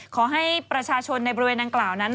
ขอให้ประชาชนในบริเวณดังกล่าวนั้น